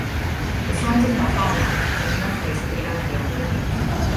The site is now farmland and no trace of the airfield remains.